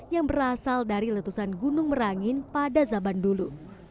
yang berasal dari letusan gunung merangin pada zaman dulu